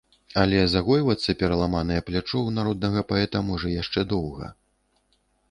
Але загойвацца пераламанае плячо ў народнага паэта можа яшчэ доўга.